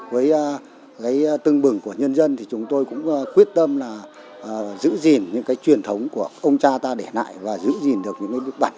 với cái tưng bừng của nhân dân thì chúng tôi cũng quyết tâm là giữ gìn những cái truyền thống của ông cha ta để lại và giữ gìn được những bản sắc của dân tộc